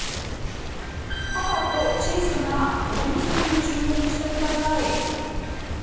パパと小さな子どもさんに注目してください。